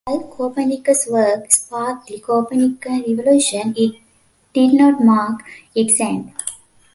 While Copernicus's work sparked the "Copernican Revolution", it did not mark its end.